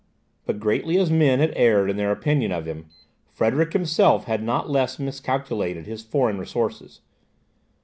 But greatly as men had erred in their opinion of him, Frederick himself had not less miscalculated his foreign resources.